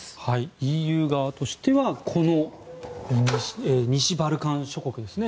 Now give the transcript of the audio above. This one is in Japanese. ＥＵ側としては西バルカン諸国ですね。